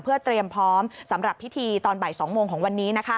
เพื่อเตรียมพร้อมสำหรับพิธีตอนบ่าย๒โมงของวันนี้